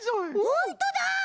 ホントだ！